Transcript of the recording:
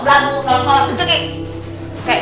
dapet cowok cowok yang kaya